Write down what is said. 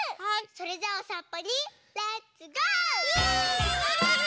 それじゃあおさんぽにレッツゴー！